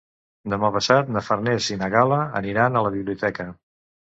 Demà passat na Farners i na Gal·la aniran a la biblioteca.